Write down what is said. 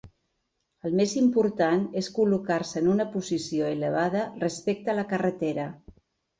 El més important és col·locar-se en una posició elevada respecte a la carretera.